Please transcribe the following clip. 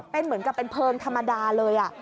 เป็นเหมือนกับเป็นเพลิงธรรมดาเลย